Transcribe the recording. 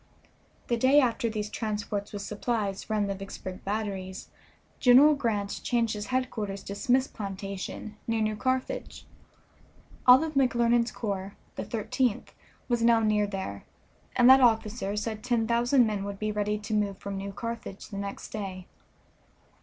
The day after these transports with supplies ran the Vicksburg batteries General Grant changed his headquarters to Smith's plantation, near New Carthage. All of McClernand's corps, the Thirteenth, was now near there, and that officer said ten thousand men would be ready to move from New Carthage the next day.